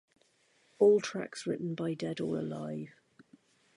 All tracks written by Dead or Alive.